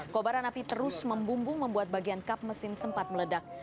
kobaran api terus membumbung membuat bagian kap mesin sempat meledak